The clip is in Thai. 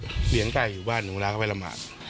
เขาก็เลี้ยงไก่อยู่บ้านหนูแล้วก็ไปละหมาด